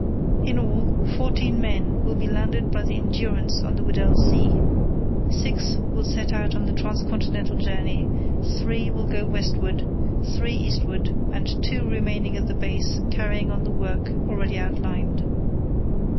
"In all, fourteen men will be landed by the Endurance on the Weddell Sea. Six will set out on the Trans continental journey, three will go westward, three eastward, and two remain at the base carrying on the work already outlined.